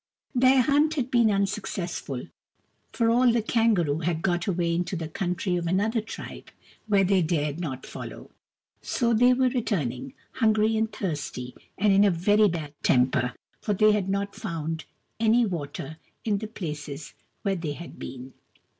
Their hunt had been unsuccessful, for all the kangaroo had got away into the country of another tribe, where they dared not follow : so they were returning, hungry and thirsty, and in a very bad temper, for they had not found any water in the places where they had been.